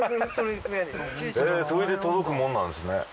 それで届くもんなんですね。